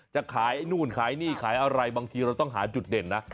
จะขายไอ้นู่นขายนี่ขายอะไรบางทีเราต้องหาจุดเด่นนะ